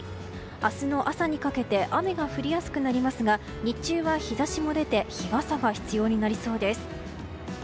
明日の朝にかけて雨が降りやすくなりますが日中は日差しも出て日傘が必要になりそうです。